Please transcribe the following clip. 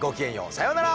さようなら。